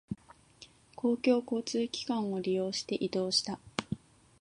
公共交通機関を利用して移動した。